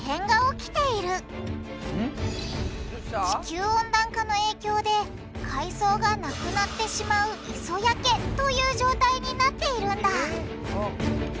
地球温暖化の影響で海藻がなくなってしまう「磯焼け」という状態になっているんだ！